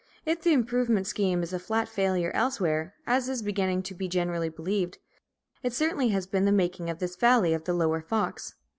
If the improvement scheme is a flat failure elsewhere, as is beginning to be generally believed, it certainly has been the making of this valley of the Lower Fox.